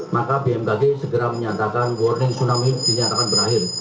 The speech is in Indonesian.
maka bmkg segera menyatakan warning tsunami dinyatakan berakhir